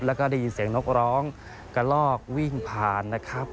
แล้วก็ได้ยินเสียงนกร้องกระลอกวิ่งผ่านนะครับ